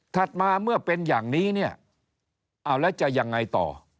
มาเมื่อเป็นอย่างนี้เนี่ยเอาแล้วจะยังไงต่อ